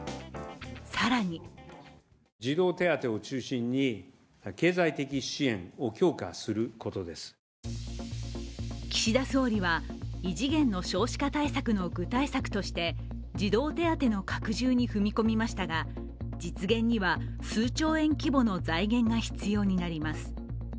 更に岸田総理は異次元の少子化対策の具体策として児童手当の拡充に踏み込みましたが、実現には数兆円規模の財源が必要になります。